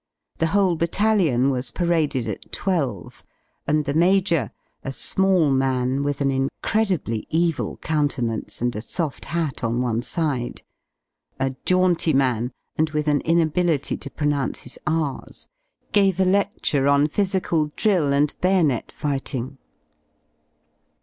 The whole Battalion was paraded at twelve, and the Major, a small man with an incredibly evil countenance, and a soft hat on one side — a jaunty man and with an inability to pronounce his R's — gave a ledure on physical drill and bayonet fighting.